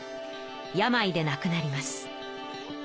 病でなくなります。